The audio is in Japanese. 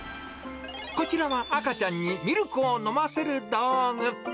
こちらは赤ちゃんにミルクを飲ませる道具。